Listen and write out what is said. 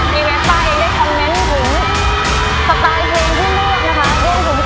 พี่เวสป้าเองได้คำเน้นถึงสไตล์เทรนด์ที่เลือกนะคะ